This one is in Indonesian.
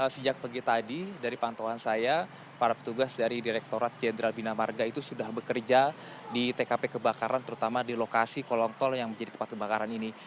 sejak pagi tadi dari pantauan saya para petugas dari direkturat jenderal bina marga itu sudah bekerja di tkp kebakaran terutama di lokasi kolong tol yang menjadi tempat kebakaran ini